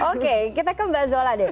oke kita ke mbak zola deh